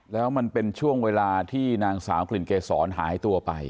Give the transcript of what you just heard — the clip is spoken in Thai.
แล้วมันเป็นช่วงเวลาที่นางสาวกลิ่นเกษรหายตัวไป